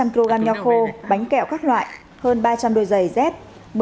ba trăm linh kg nho khô bánh kẹo các loại hơn ba trăm linh đôi giày dép